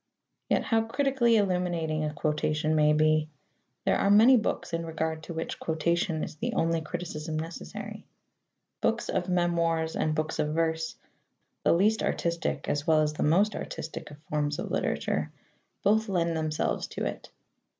Yet how critically illuminating a quotation may be! There are many books in regard to which quotation is the only criticism necessary. Books of memoirs and books of verse the least artistic as well as the most artistic forms of literature both lend themselves to it.